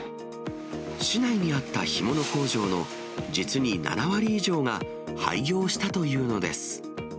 市内にあった干物工場の実に７割以上が、廃業したというのです。